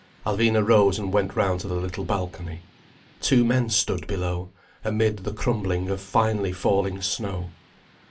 Alvina rose and went round to the little balcony. Two men stood below, amid the crumbling of finely falling snow.